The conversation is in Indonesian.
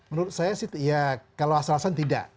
menurut saya sih ya kalau asal asalan tidak